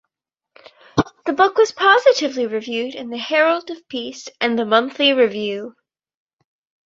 The book was positively reviewed in "The Herald of Peace" and "The Monthly Review".